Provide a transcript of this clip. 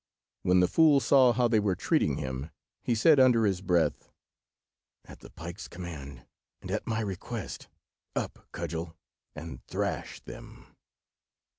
When the fool saw how they were treating him, he said under his breath— "At the pike's command, and at my request, up, cudgel, and thrash them."